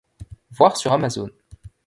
Voir sur Amazon.